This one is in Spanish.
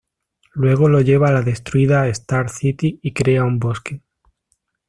Luego lo lleva a la destruida Star City y crea un bosque.